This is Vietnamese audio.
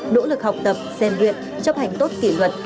nỗ lực học tập gian luyện chấp hành tốt kỷ luật